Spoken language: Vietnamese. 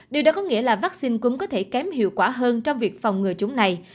điều đó có nghĩa là vaccine cúm có thể kém hiệu quả hơn trong việc phòng ngừa chúng này